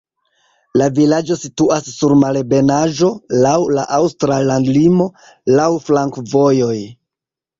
La vilaĝo situas sur malebenaĵo, laŭ la aŭstra landlimo, laŭ flankovojoj.